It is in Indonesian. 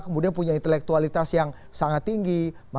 kemudian punya intelektualitas yang sangat tinggi